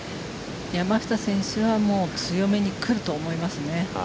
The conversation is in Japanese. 山下選手は強めに来ると思いますね。